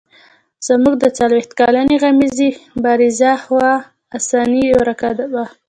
زموږ د څلوېښت کلنې غمیزې بارزه خوا انساني ورکه وه.